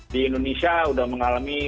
di indonesia udah mengalami